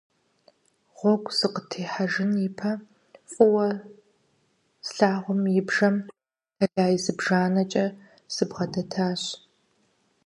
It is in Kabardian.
Гъуэгу сыкъытехьэжын и пэ фӀыуэ слъагъум и бжэм тэлай зыбжанэкӀэ сыбгъэдэтащ.